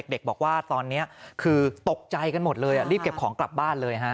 เด็กบอกว่าตอนนี้คือตกใจกันหมดเลยรีบเก็บของกลับบ้านเลยฮะ